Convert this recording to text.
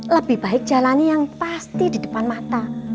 lebih baik jalani yang pasti di depan mata